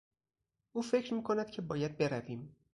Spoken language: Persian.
او فکر میکند که باید برویم.